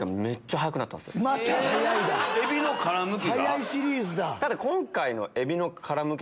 早いシリーズだ。